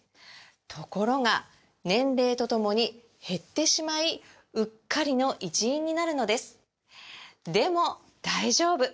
ところが年齢とともに減ってしまいうっかりの一因になるのですでも大丈夫！